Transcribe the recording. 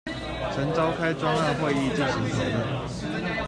曾召開專案會議進行討論